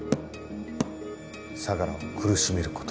相良を苦しめること。